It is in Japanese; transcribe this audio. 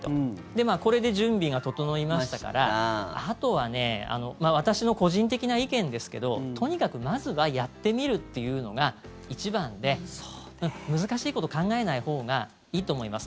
で、これで準備が整いましたからあとは私の個人的な意見ですけどとにかく、まずはやってみるっていうのが一番で難しいこと考えないほうがいいと思います。